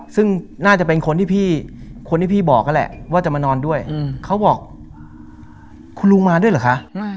ซึ่งน่าจะเป็นคนที่พี่คนที่พี่บอกนั่นแหละว่าจะมานอนด้วยเขาบอกคุณลุงมาด้วยเหรอคะ